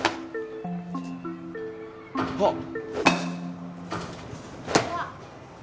あっ。